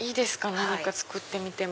何か作ってみても。